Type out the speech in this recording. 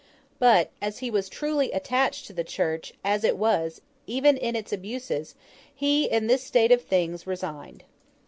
But, as he was truly attached to the Church as it was even in its abuses, he, in this state of things, resigned.